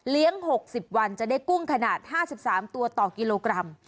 ๖๐วันจะได้กุ้งขนาด๕๓ตัวต่อกิโลกรัม